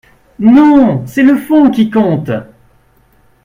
Non, c’est le fond qui compte.